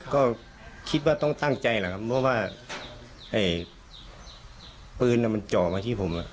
ก็คิดว่าต้องตั้งใจแหละครับเพราะว่าปืนมันเจาะมาที่ผม